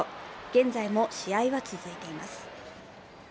現在も試合は続いています。